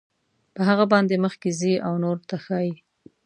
په هغه باندې مخکې ځي او نورو ته ښایي.